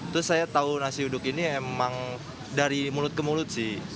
terus saya tahu nasi uduk ini emang dari mulut ke mulut sih